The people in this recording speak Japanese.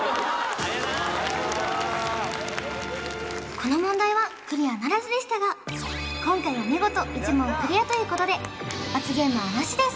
この問題はクリアならずでしたが今回は見事１問クリアということで罰ゲームはなしです